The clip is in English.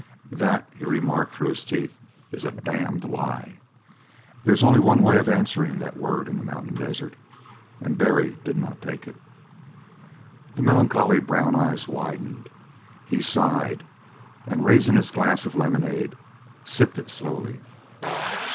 "That," he remarked through his teeth, "is a damned lie!" There is only one way of answering that word in the mountain desert, and Barry did not take it. The melancholy brown eyes widened; he sighed, and raising his glass of lemonade sipped it slowly.